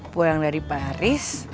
poyang dari paris